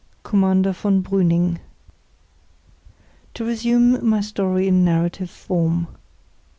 Commander von Brüning To resume my story in narrative form.